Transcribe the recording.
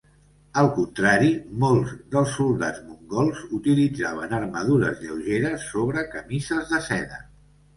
Al contrari, molts dels soldats mongols utilitzaven armadures lleugeres sobre camises de seda.